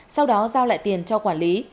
sau đó giao lại tiền cho quản lý